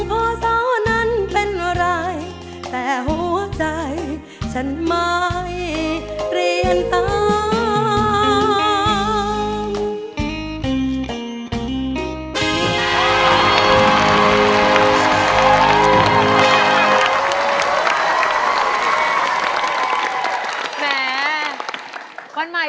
พ่อเศร้าเปลี่ยนกี่เดือนจะเคลื่อนผ่านไป